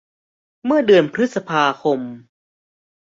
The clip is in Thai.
เมื่อเดีอนพฤษภาคม